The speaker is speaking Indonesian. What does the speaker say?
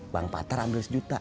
bang patar ambil satu juta